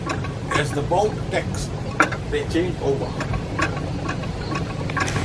As the boat tacks they change over.